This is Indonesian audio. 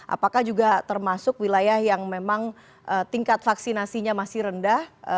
apakah juga termasuk wilayah yang memang tingkat vaksinasinya masih rendah